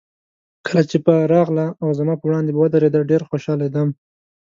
کله چې به راغله او زما په وړاندې به ودرېده، ډېر خوشحالېدم.